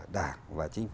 đảng và chính phủ